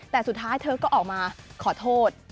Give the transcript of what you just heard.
แต่สุดท้ายเธอก็ออกมาขอโทษ